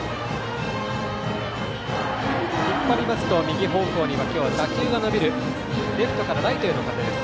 引っ張りますと右方向には今日は打球が伸びるレフトからライトへの風です。